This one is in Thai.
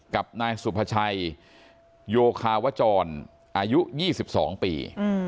กับนายสุภาชัยโยคาวจรอายุ๒๒ปี